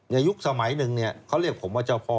ในยุคสมัยนึงเนี่ยเขาเรียกผมว่าเจ้าพ่อ